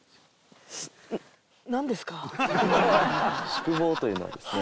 宿坊というのはですね